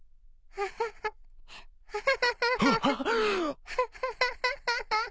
アハハハ。